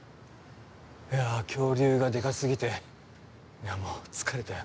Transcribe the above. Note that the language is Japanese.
いやあ恐竜がでかすぎていやあもう疲れたよ。